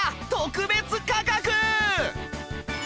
特別価格